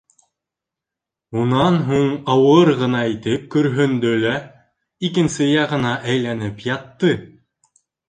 Унан һуң ауыр ғына итеп көрһөндө лә икенсе яғына әйләнеп ятты.